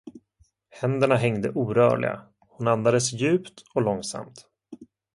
Händerna hängde orörliga, hon andades djupt och långsamt.